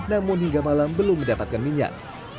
namun hingga malam belum mendapatkan minyak